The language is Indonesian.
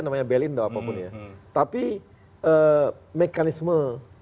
namanya belindo apapun ya tapi mekanisme